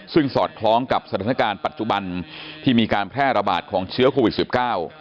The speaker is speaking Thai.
ซึ่งสอดคล้องกับสถานการณ์ปัจจุบันที่มีการแพร่ระบาดของเชื้อโควิดสิบเก้า